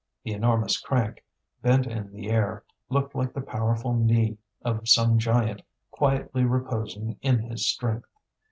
The enormous crank, bent in the air, looked like the powerful knee of some giant quietly reposing in his strength.